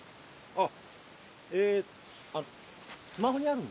あっ！